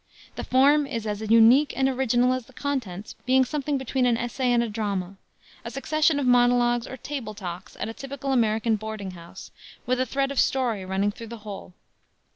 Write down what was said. The form is as unique and original as the contents, being something between an essay and a drama; a succession of monologues or table talks at a typical American boarding house, with a thread of story running through the whole.